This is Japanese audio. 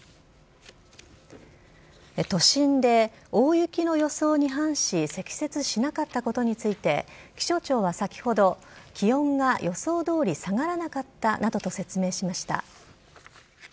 都心で大雪の予想に反し、積雪しなかったことについて気象庁は先ほど、気温が予想どおり下がらなかったなどと説明しました。